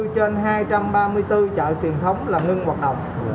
một trăm chín mươi bốn trên hai trăm ba mươi bốn chợ truyền thống là ngưng hoạt động